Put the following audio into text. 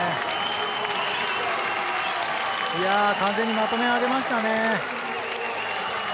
完全にまとめ上げましたね。